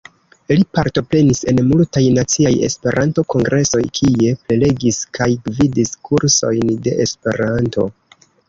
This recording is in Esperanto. Li partoprenis en multaj naciaj Esperanto-kongresoj kie prelegis kaj gvidis kursojn de Esperanto.